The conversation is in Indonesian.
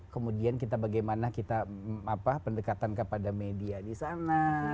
kemudian kita bagaimana kita pendekatan kepada media di sana